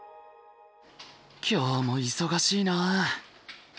今日も忙しいな。